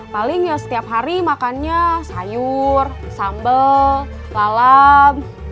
paling ya setiap hari makannya sayur sambel lalam